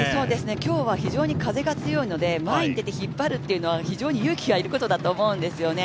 今日は非常に風が強いので、前に出て引っ張るというのは非常に勇気が要ることだと思うんですよね。